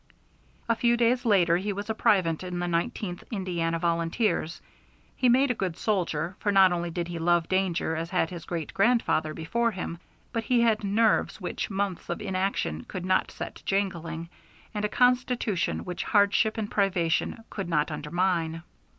A few days later he was a private in the Nineteenth Indiana Volunteers. He made a good soldier, for not only did he love danger as had his great grandfather before him, but he had nerves which months of inaction could not set jangling, and a constitution which hardship and privation could not undermine.